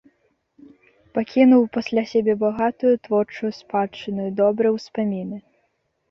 Пакінуў пасля сябе багатую творчую спадчыну і добрыя ўспаміны.